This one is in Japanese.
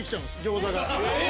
餃子が。え！